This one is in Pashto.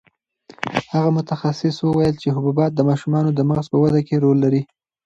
هغه متخصص وویل چې حبوبات د ماشومانو د مغز په وده کې رول لري.